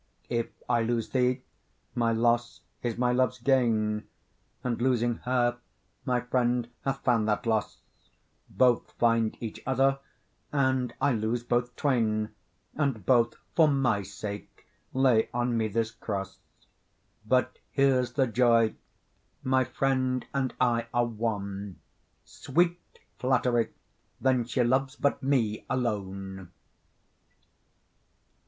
If I lose thee, my loss is my love's gain, And losing her, my friend hath found that loss; Both find each other, and I lose both twain, And both for my sake lay on me this cross: But here's the joy; my friend and I are one; Sweet flattery! then she loves but me alone.